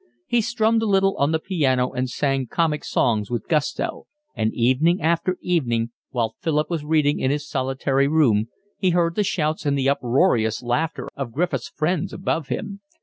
He strummed a little on the piano and sang comic songs with gusto; and evening after evening, while Philip was reading in his solitary room, he heard the shouts and the uproarious laughter of Griffiths' friends above him.